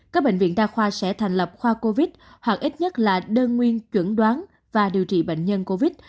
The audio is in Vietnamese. các bệnh viện đa khoa sẽ thành lập khoa covid hoặc ít nhất là đơn nguyên chuẩn đoán và điều trị bệnh nhân covid